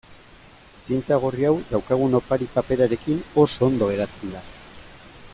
Zinta gorri hau daukagun opari-paperarekin oso ondo geratzen da.